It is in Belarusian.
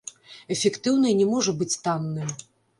Эфектыўнае не можа быць танным.